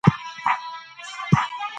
د خوب کموالی انسان قهرجن کوي.